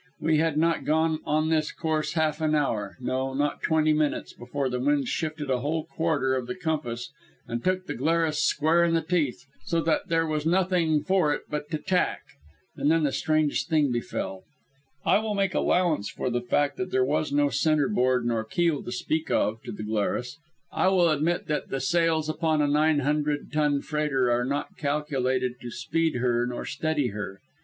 We had not gone on this course half an hour no, not twenty minutes before the wind shifted a whole quarter of the compass and took the Glarus square in the teeth, so that there was nothing for it but to tack. And then the strangest thing befell. I will make allowance for the fact that there was no centre board nor keel to speak of to the Glarus. I will admit that the sails upon a nine hundred ton freighter are not calculated to speed her, nor steady her.